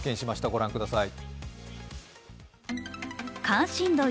御覧ください。